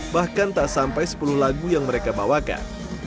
bahkan tak sampai sepuluh lagu yang mereka bawakan